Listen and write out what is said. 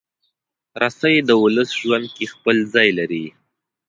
رسۍ د ولس ژوند کې خپل ځای لري.